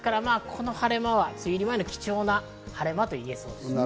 この晴れ間は梅雨入り前の貴重な晴れ間と言えそうです。